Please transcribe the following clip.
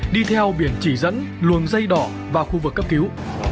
đi theo biển chỉ dẫn luồng dây đỏ vào khu vực cấp cứu